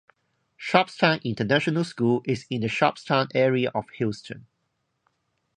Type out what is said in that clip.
Sharpstown International School is in the Sharpstown area of Houston.